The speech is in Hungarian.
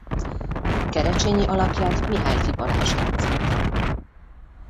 Kerecsényi alakját Mihályfi Balázs játszotta.